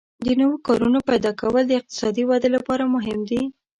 د نوو کارونو پیدا کول د اقتصادي ودې لپاره مهم دي.